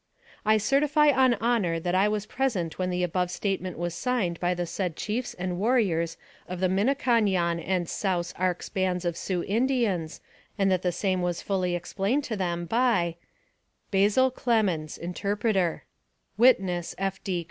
I certify on honor that I was present when the above statement was signed by the said chiefs and warriors of AMONG THE SIOUX INDIANS. 273 the Minniconyon and Saus Arcs bands of Sioux In dians, aud that the same was fully explained to them by bin BAZEL X CLEMENS, mark. Interpreter. Witness : F. D.